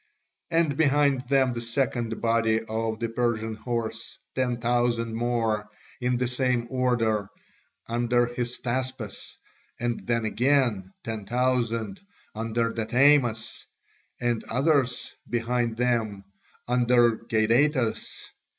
And behind them the second body of the Persian horse, ten thousand more, in the same order, under Hystaspas, and then again ten thousand under Datamas, and others behind them under Gadatas.